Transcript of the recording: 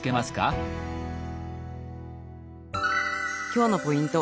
今日のポイント。